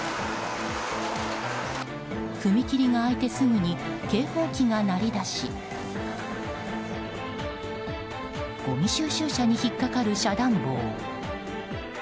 踏切が開いてすぐに警報機が鳴り出しごみ収集車に引っかかる遮断棒。